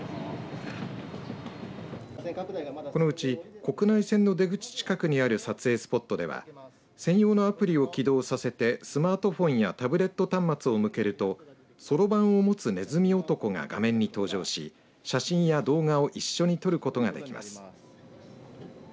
このうち国内線の出口近くにある撮影スポットでは専用のアプリを起動させてスマートフォンやタブレット端末を向けるとそろばんを持つねずみ男が画面に登場し、写真や動画を一緒に撮ることができます。